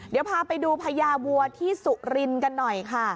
เดี๋ยวพาไปดูพญาวัวที่สุรินทร์กันหน่อยค่ะ